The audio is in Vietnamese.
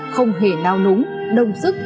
không hề nao núng đông sức